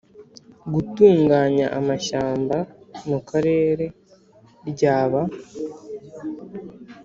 gutunganya amashyamba mu Karere ryaba